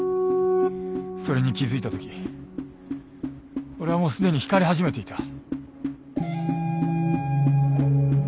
それに気付いたとき俺はもうすでに引かれ始めていた。